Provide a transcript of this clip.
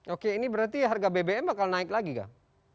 oke ini berarti harga bbm bakal naik lagi kang